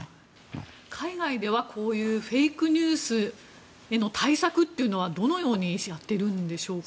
海外ではフェイクニュースへの対策というのはどのようにやっているんでしょうか。